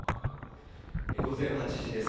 午前８時です。